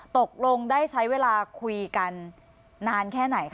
ตกลงได้ใช้เวลาคุยกันนานแค่ไหนคะ